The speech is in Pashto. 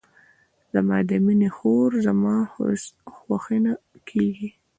زما د ماینې خور زما خوښینه کیږي.